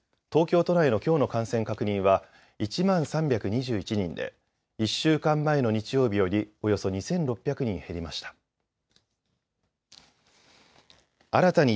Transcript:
東京都内のきょうの感染確認は１万３２１人で１週間前の日曜日よりおよそ２６００人減りました。